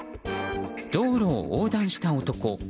道路を横断した男。